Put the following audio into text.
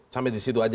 sampai di situ saja